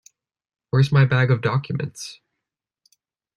Where's my bag of documents?